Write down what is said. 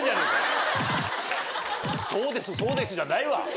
「そうですそうです」じゃないわ。